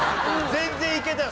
全然いけたよ。